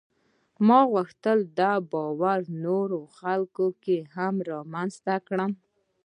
ما غوښتل دا باور نورو خلکو کې هم رامنځته کړم.